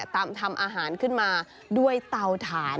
ทำอาหารขึ้นมาด้วยเตาถ่าน